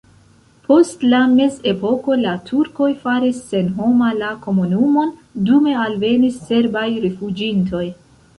Post la mezepoko la turkoj faris senhoma la komunumon, dume alvenis serbaj rifuĝintoj.